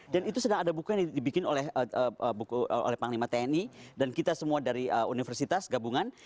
dan itu sedang ada buku yang dibikin oleh panglima tni dan kita semua dari universitas gabungan